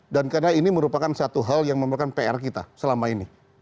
dan karena ini merupakan satu hal yang memerlukan pr kita selama ini